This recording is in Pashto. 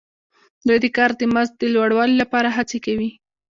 دوی د کار د مزد د لوړوالي لپاره هڅې کوي